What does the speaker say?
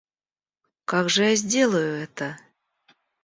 Как же я сделаю это?